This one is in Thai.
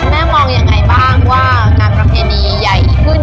แม่มองยังไงบ้างว่างานประเพณีใหญ่ขึ้น